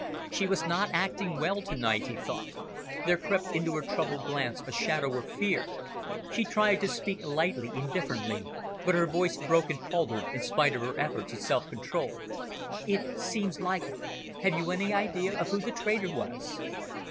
She was not acting well to night, he thought. There crept into her troubled glance a shadow of fear. She tried to speak lightly, indifferently, but her voice broke and faltered, in spite of her efforts at self control. "It seems like it. Have you any idea of who the traitor was?"